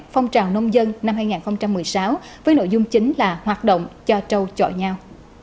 phong trào nông dân năm hai nghìn một mươi sáu với nội dung chính là hoạt động cho trâu chọi nhau